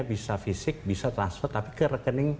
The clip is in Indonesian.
bisa fisik bisa transfer tapi ke rekening